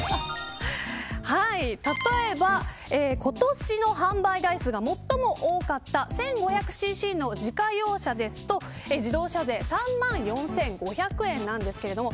例えば、今年の販売台数が最も多かった１５００ＣＣの自家用車ですと自動車税３万４５００円なんですけれども。